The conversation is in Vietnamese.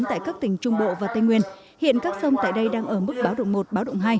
tại các tỉnh trung bộ và tây nguyên hiện các sông tại đây đang ở mức báo động một báo động hai